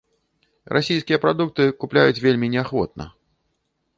Расійскія прадукты купляюць вельмі неахвотна.